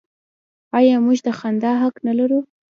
آیا موږ د خندا حق نلرو؟